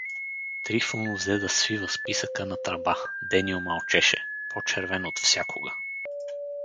Трифун взе да свива списъка на тръба, Деню мълчеше — по-червен отвсякога.